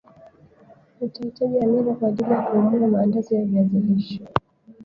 Utahitaji hamira kwa ajili ya kuumua maandazi ya viazi lishe